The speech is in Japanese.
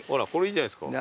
いいじゃないですか。